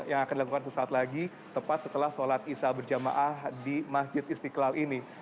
yang akan dilakukan sesaat lagi tepat setelah sholat isya berjamaah di masjid istiqlal ini